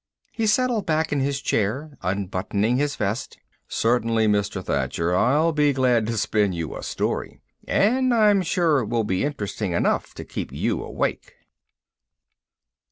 He settled back in his chair, unbuttoning his vest. "Certainly, Mr. Thacher. I'll be glad to spin you a story. And I'm sure it will be interesting enough to keep you awake."